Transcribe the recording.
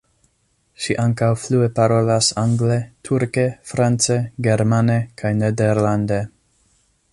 Ŝi ankaŭ flue parolas angle, turke, france, germane kaj nederlande.